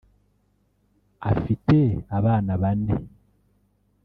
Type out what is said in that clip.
afite abana bane